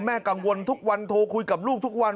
กังวลทุกวันโทรคุยกับลูกทุกวัน